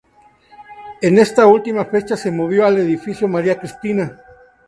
En esta última fecha se movió al edificio María Cristina.